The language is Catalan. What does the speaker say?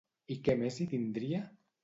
I què més hi tindria?